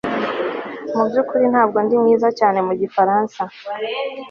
Mubyukuri ntabwo ndi mwiza cyane mu gifaransa